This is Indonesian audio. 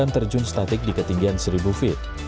terjun statik di ketinggian seribu feet